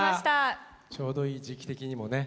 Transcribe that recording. ちょうどいい時期的にもね。